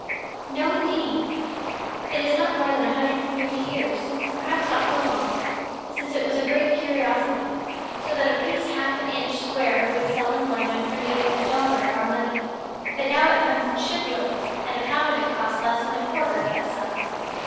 "No indeed! It is not more than a hundred and fifty years perhaps not so long since it was a great curiosity; so that a piece half an inch square would sell in London for nearly a dollar of our money, but now it comes in shiploads, and a pound of it costs less than quarter of that sum.